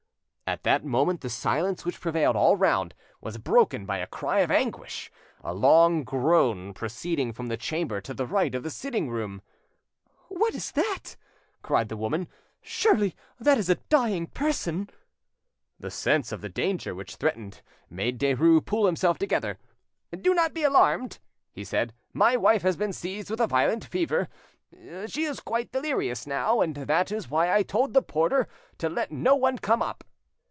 At that moment the silence which prevailed all round was broken by a cry of anguish, a long groan proceeding from the chamber to the right of the sitting room. "What is that?" cried the woman. "Surely it is a dying person!" The sense of the danger which threatened made Derues pull himself together. "Do not be alarmed," he said. "My wife has been seized with a violent fever; she is quite delirious now, and that is why I told the porter to let no one come up."